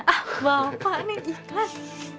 ah bapak nih ikhlas